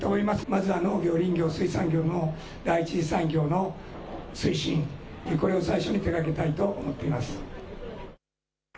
まずは農業、林業、水産業の第１次産業の推進、これを最初に手がけたいと思っています。